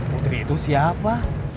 putri itu siapa